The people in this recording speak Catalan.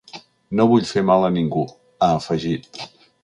“No vull fer mal a ningú”, ha afegit.